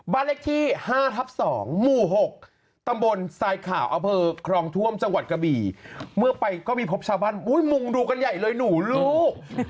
บ้านเลขที่๕ทับ๒หมู่๖ตำบลทรายข่าวอำเภอครองท่วมจังหวัดกะบี่เมื่อไปก็มีพบชาวบ้านมุงดูกันใหญ่เลยหนูลูก